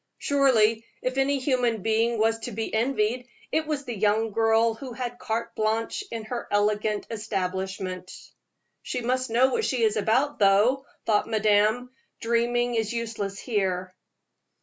Surely, if any human being was to be envied, it was the young girl who had carte blanche in her elegant establishment. "She must know what she is about, though," thought madame. "Dreaming is useless here."